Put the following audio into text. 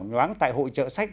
nhoáng tại hội chợ sách